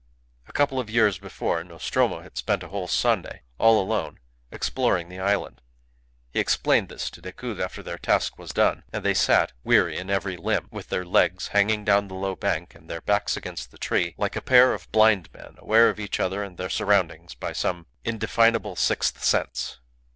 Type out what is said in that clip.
A couple of years before Nostromo had spent a whole Sunday, all alone, exploring the island. He explained this to Decoud after their task was done, and they sat, weary in every limb, with their legs hanging down the low bank, and their backs against the tree, like a pair of blind men aware of each other and their surroundings by some indefinable sixth sense.